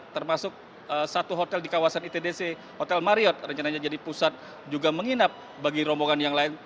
termasuk satu hotel di kawasan itdc hotel mariot rencananya jadi pusat juga menginap bagi rombongan yang lain